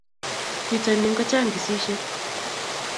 pitonin ko chang ksishek